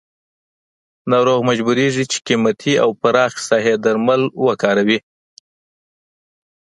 ناروغ مجبوریږي چې قیمتي او پراخ ساحې درمل وکاروي.